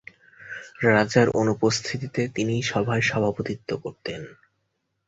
রাজার অনুপস্থিতিতে তিনিই সভায় সভাপতিত্ব করতেন।